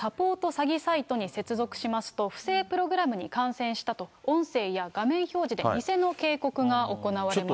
詐欺サイトに接続しますと、不正プログラムに感染したと、音声や画面表示で偽の警告が行われます。